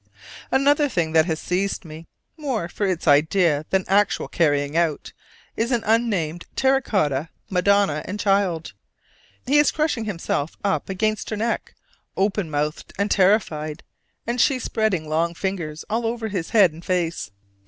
Another thing that has seized me, more for its idea than actual carrying out, is an unnamed terra cotta Madonna and Child. He is crushing himself up against her neck, open mouthed and terrified, and she spreading long fingers all over his head and face.